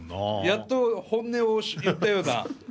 やっと本音を言ったような。